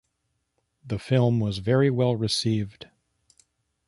The film was very well received.